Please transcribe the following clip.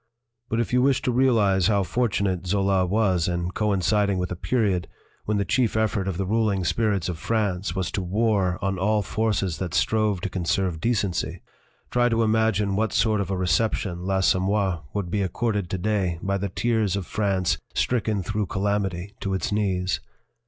"But if you wish to realize how fortunate Zola was in coinciding with a period when the chief effort of the ruling spirits of France was to war on all forces that strove to conserve decency, try to imagine what sort of a reception L'Assom moir would be accorded to day by the tears of France stricken through calamity to its knees.